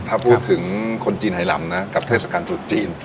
ถ้าพูดถึงคนจีนไฮลำนะกับเทศกาลตรุษจีน